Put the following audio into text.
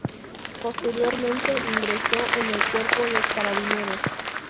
Posteriormente ingresó en el Cuerpo de Carabineros.